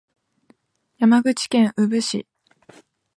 山口県宇部市